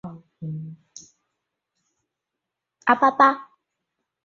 尼斯模型是一个太阳系动力演化理论。